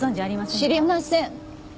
知りません。